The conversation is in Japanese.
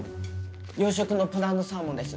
養殖のブランドサーモンです